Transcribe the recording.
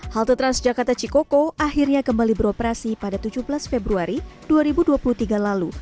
halte transjakarta cikoko akhirnya kembali beroperasi pada tujuh belas februari dua ribu dua puluh tiga lalu